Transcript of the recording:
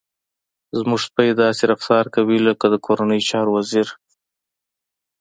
زموږ سپی داسې رفتار کوي لکه د کورنیو چارو وزير.